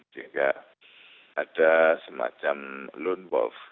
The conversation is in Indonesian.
sehingga ada semacam lone wolf